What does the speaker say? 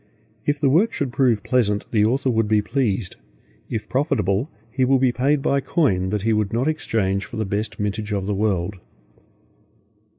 If the work should prove pleasant, the author would be pleased; if profitable, he will be paid by coin that he would not exchange for the best mintage of the world.